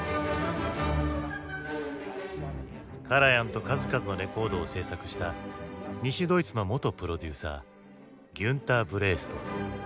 カラヤンと数々のレコードを制作した西ドイツの元プロデューサーギュンター・ブレースト。